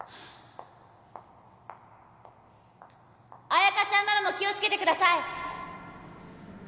彩香ちゃんママも気を付けてください。